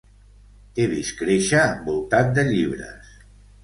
T'he vist créixer envoltat de llibres.